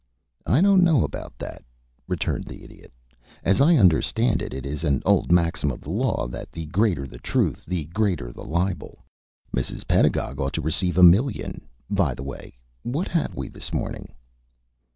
"I don't know about that," returned the Idiot. "As I understand it, it is an old maxim of the law that the greater the truth the greater the libel. Mrs. Pedagog ought to receive a million By the way, what have we this morning?"